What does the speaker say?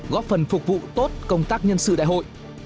góp phần phục vụ tốt công tác nhân sự đại hội